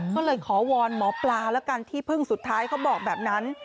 ก็เลยขอวอนหมอปลาแล้วกันที่พึ่งสุดท้ายเขาบอกแบบนั้น